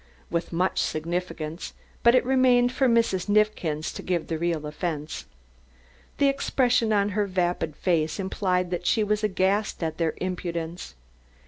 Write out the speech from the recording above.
with much significance, but it remained for Mrs. Neifkins to give the real offense. The expression on her vapid face implied that she was aghast at their impudence.